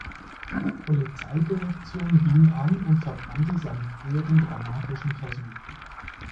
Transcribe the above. Polizeidirektion Wien an und verbrannte seine frühen dramatischen Versuche.